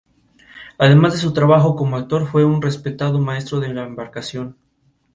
Además de su trabajo como actor, fue un respetado maestro de la embarcación.